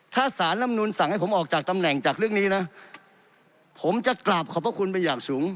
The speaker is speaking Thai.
ถ้าสารลำนูนสั่งให้ผมออกจากตำแหน่งจากเรื่องนี้นะผมจะกราบขอบพระคุณไปอย่างสูง